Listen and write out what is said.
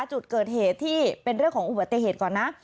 จุดเกิดเหตุที่เป็นเรื่องของอุบัติเหตุก่อนนะ